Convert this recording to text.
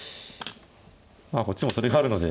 まあこっちもそれがあるので。